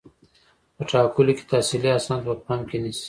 په ټاکلو کې تحصیلي اسناد په پام کې نیسي.